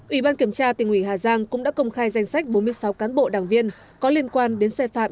ủy ban kiểm tra tỉnh ủy hà giang cũng đã công khai danh sách bốn mươi sáu cán bộ đảng viên có liên quan đến sai phạm